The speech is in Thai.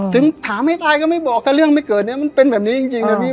ถึงถามให้ตายก็ไม่บอกถ้าเรื่องไม่เกิดเนี่ยมันเป็นแบบนี้จริงนะพี่